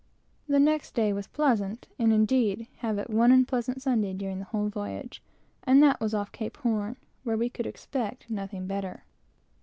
The next day was pleasant, and indeed we had but one unpleasant Sunday during the whole voyage, and that was off Cape Horn, where we could expect nothing better.